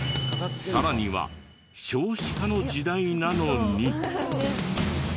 さらには少子化の時代なのに。